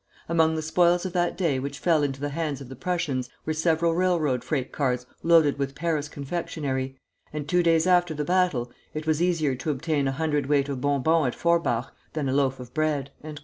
Among the spoils of that day which fell into the hands of the Prussians were several railroad freight cars loaded with Paris confectionery: and two days after the battle it was easier to obtain a hundredweight of bonbons at Forbach than a loaf of bread."